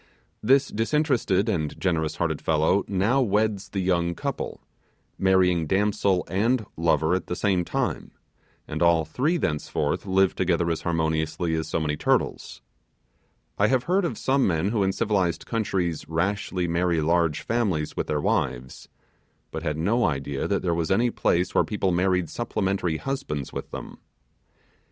This disinterested and generous hearted fellow now weds the young couple marrying damsel and lover at the same time and all three thenceforth live together as harmoniously as so many turtles. I have heard of some men who in civilized countries rashly marry large families with their wives, but had no idea that there was any place where people married supplementary husbands with them.